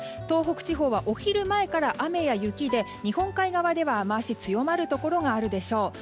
東北地方はお昼前から雨や雪で日本海側では雨脚が強まるところがあるでしょう。